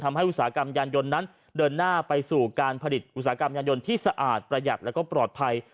อุตสาหกรรมยานยนต์นั้นเดินหน้าไปสู่การผลิตอุตสาหกรรมยานยนต์ที่สะอาดประหยัดแล้วก็ปลอดภัย